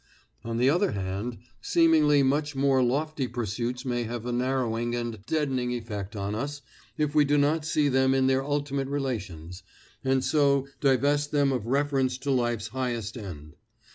On the other hand, seemingly much more lofty pursuits may have a narrowing and deadening effect on us if we do not see them in their ultimate relations, and so divest them of reference to life's highest end.